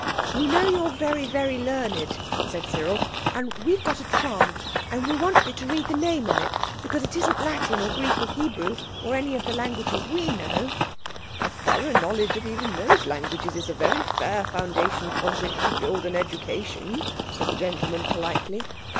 "We know you are very, very learned," said Cyril, "and we have got a charm, and we want you to read the name on it, because it isn't in Latin or Greek, or Hebrew, or any of the languages we know—" "A thorough knowledge of even those languages is a very fair foundation on which to build an education," said the gentleman politely.